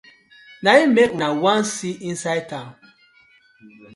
Na im mek una wan see inside town.